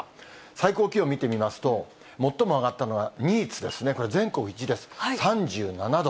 最高気温見てみますと、最も上がったのは新津ですね、これ、全国１位です。３７度。